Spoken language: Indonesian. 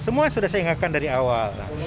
semua sudah saya ingatkan dari awal